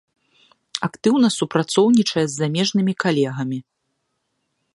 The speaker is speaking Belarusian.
Актыўна супрацоўнічае з замежнымі калегамі.